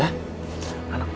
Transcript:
kamu cepet semua ya